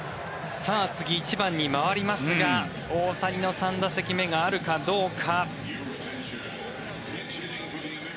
次、１番に回りますが大谷の３打席目があるかどうか。